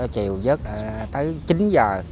chiều dớt tới chín h